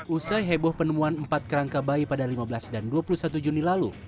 usai heboh penemuan empat kerangka bayi pada lima belas dan dua puluh satu juni lalu